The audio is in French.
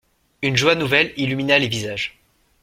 Une joie nouvelle illumina les visages.